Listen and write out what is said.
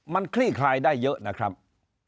มันคลี่คลายได้เยอะนะครับ